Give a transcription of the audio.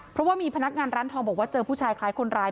เพราะว่ามีพนักงานร้านทองบอกว่าเจอผู้ชายคล้ายคนร้าย